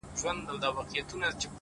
هر منزل نوی لید درکوي،